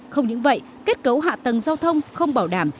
không những vậy kết cấu hạ tầng giao thông không bảo đảm